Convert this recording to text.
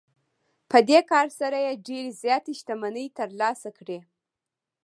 په دې کار سره یې ډېرې زیاتې شتمنۍ ترلاسه کړې